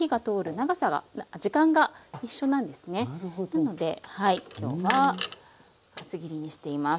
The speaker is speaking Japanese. なので今日は厚切りにしています。